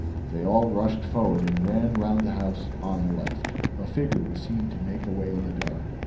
They all rushed forward and ran round the house on the left. A figure was seen to make away in the dark.